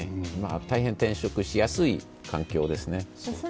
大変、転職しやすい環境ですね。